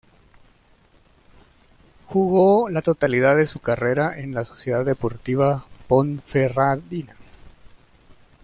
Jugó la totalidad de su carrera en la Sociedad Deportiva Ponferradina.